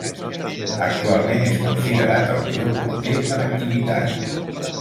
Actualment és considerat el millor porter en activitat.